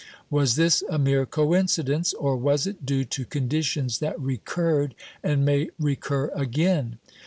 Was this a mere coincidence, or was it due to conditions that recurred, and may recur again?